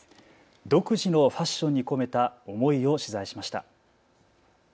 独自のファッションに込めた思いを取材しました。